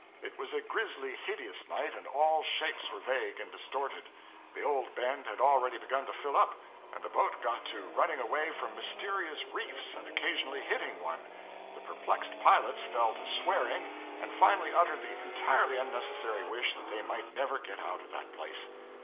It was a grisly, hideous night, and all shapes were vague and distorted. The old bend had already begun to fill up, and the boat got to running away from mysterious reefs, and occasionally hitting one. The perplexed pilots fell to swearing, and finally uttered the entirely unnecessary wish that they might never get out of that place.